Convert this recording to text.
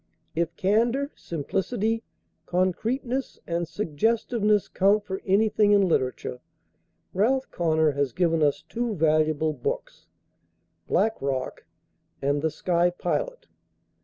If candor, simplicity, concreteness and suggestiveness count for anything in literature, "Ralph Connor" has given us two valuable books, "Black Rock," and "The Sky Pilot."